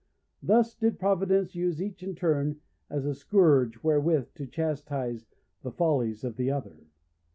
Thus did Providence use each in turn as a scourge wherewith to chastise the follies of the other.